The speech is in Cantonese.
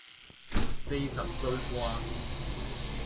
四十歲啩